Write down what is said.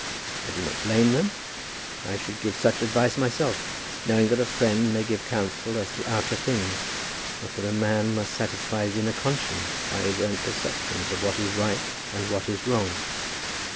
I do not blame them. I should give such advice myself, knowing that a friend may give counsel as to outer things, but that a man must satisfy his inner conscience by his own perceptions of what is right and what is wrong.